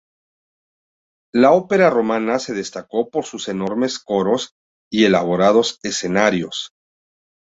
La ópera romana se destacó por sus enormes coros y elaborados escenarios.